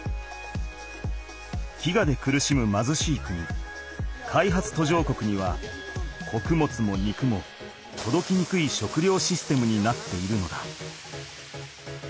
飢餓で苦しむまずしい国開発途上国にはこくもつも肉もとどきにくい食料システムになっているのだ。